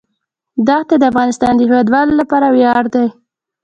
ښتې د افغانستان د هیوادوالو لپاره ویاړ دی.